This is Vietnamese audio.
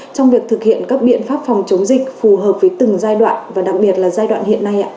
trong việc thực hiện các biện pháp phòng chống dịch phù hợp với từng giai đoạn và đặc biệt là giai đoạn hiện nay ạ